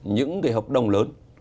những hợp đồng lớn